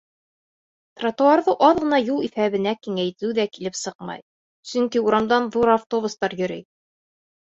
Тротуарҙы аҙ ғына юл иҫәбенә киңәйтеү ҙә килеп сыҡмай, сөнки урамдан ҙур автобустар йөрөй.